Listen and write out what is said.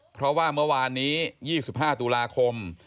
เพราะว่าเมื่อวานนี้๒๕ตุลาคม